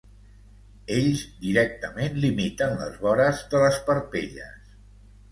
Ells directament limiten les vores de les parpelles.